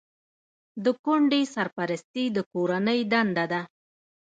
د کونډې سرپرستي د کورنۍ دنده ده.